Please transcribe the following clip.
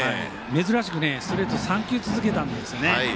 珍しくストレートを３球続けたんですね。